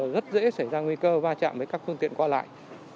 rất dễ xảy ra nguy cơ va chạm với các phương tiện qua lại